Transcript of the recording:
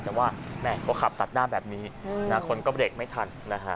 แต่ว่าแม่ก็ขับตัดหน้าแบบนี้คนก็เบรกไม่ทันนะฮะ